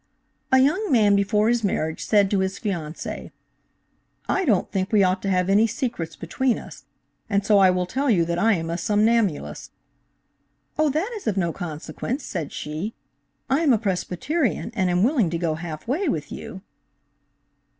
"A young man before his marriage said to his fiancee 'I don't think we ought to have any secrets between us and so I will tell you that I am a somnambulist.' 'Oh that is of no consequence,' said she. 'I am a Presbyterian, and am willing to go half way with you.'"